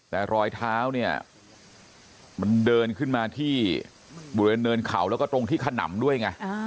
แต่รอยเท้าเนี่ยมันเดินขึ้นมาที่บริเวณเนินเขาแล้วก็ตรงที่ขนำด้วยไง